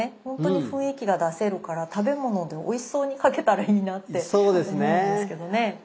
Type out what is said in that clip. ほんとに雰囲気が出せるから食べ物でおいしそうに描けたらいいなって思うんですけどね。